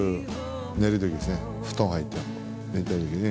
寝てる時に。